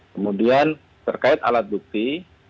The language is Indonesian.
kemudian terkait alat bukti